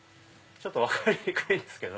ちょっと分かりにくいんですけど。